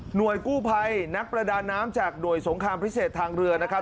กู้ภัยนักประดาน้ำจากหน่วยสงครามพิเศษทางเรือนะครับ